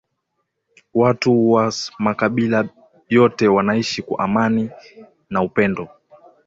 Watu was makabila yote wanaishi kwa amani ma upendo